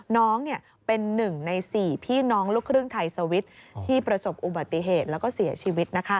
น้องเป็น๑ใน๔พี่น้องลูกครึ่งไทยสวิตช์ที่ประสบอุบัติเหตุแล้วก็เสียชีวิต